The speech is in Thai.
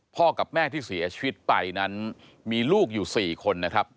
กับแม่ที่เสียชีวิตไปนั้นมีลูกอยู่๔คนนะครับ